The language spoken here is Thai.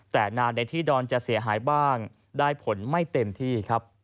แต่นานในที่ดอนจะเสียหายบ้างได้ผลไม่เต็มที่ครับ